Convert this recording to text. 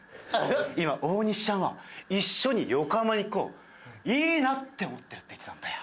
今大西ちゃんは一緒に横浜に行く子をいいなって思ってるって言ってたんだよ。